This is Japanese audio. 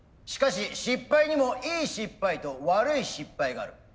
しかし失敗にもいい失敗と悪い失敗がある。